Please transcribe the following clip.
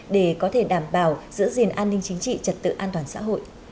để có thể đảm bảo giữ gìn an ninh chính trị